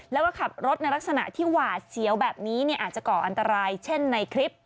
แล้วก็ขับรถในลักษณะที่หวาดเสียวแบบนี้อาจจะก่ออันตรายเช่นในคลิป